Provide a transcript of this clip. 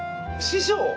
師匠。